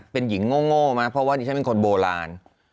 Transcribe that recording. เป็นหญิงโง่ไหมเพราะว่าดิฉันเป็นคนโบราณ